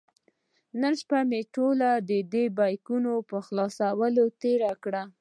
نن شپه مې ټوله د دې بیکونو په خلاصولو تېره کړې.